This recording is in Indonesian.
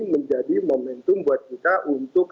menjadi momentum buat kita untuk